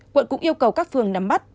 quận cũng yêu cầu các phương nắm bắt